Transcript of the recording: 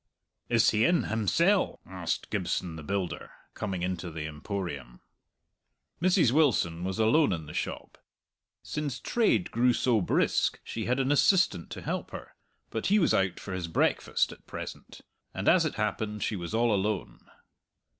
"Is he in himsell?" asked Gibson the builder, coming into the Emporium. Mrs. Wilson was alone in the shop. Since trade grew so brisk she had an assistant to help her, but he was out for his breakfast at present, and as it happened she was all alone.